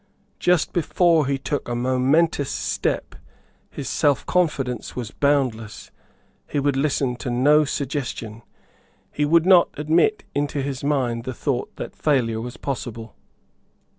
Just before he took a momentous step his selfconfidence was boundless; he would listen to no suggestion; he would not admit into his mind the thought that failure was possible.